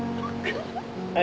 はい。